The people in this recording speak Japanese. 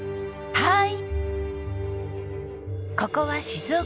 はい。